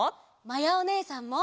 まやおねえさんも。